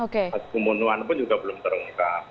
kemunuhan pun juga belum terungkap